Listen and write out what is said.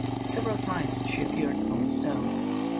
Several times she appeared upon the stones.